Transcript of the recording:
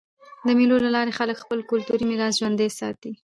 د مېلو له لاري خلک خپل کلتوري میراث ژوندى ساتي.